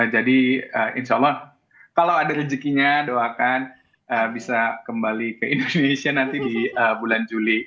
jadi insya allah kalau ada rezekinya doakan bisa kembali ke indonesia nanti di bulan juli